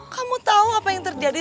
kamu tahu apa yang terjadi